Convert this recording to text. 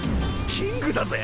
キングだぜ。